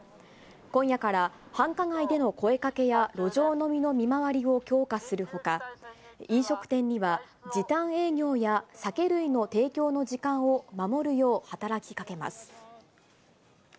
今夜から繁華街での声かけや路上飲みの見回りを強化するほか、飲食店には、時短営業や酒類の提供の時間を守るよう働きかけます。